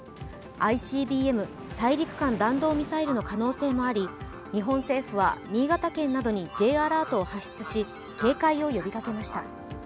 ＩＣＢＭ＝大陸間弾道ミサイルの可能性もあり、日本政府は新潟県などにＪアラートを発出し、警戒を呼びかけました。